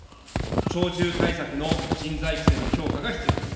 鳥獣対策の人材育成の強化が必要です。